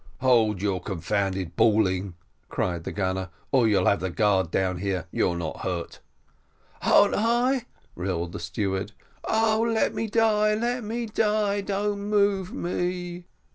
"Hold your confounded bawling," cried the gunner, "or you'll have the guard down here: you're not hurt." "Han't hi?" roared the steward. "Oh, let me die, let me die; don't move me!"